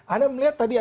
anda melihat tadi